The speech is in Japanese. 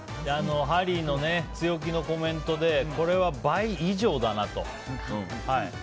ハリーの強気のコメントでこれは倍以上だなと。